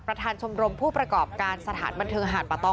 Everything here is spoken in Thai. ประธานชมรมผู้ประกอบการสถานบันเทิงหาดปะตอง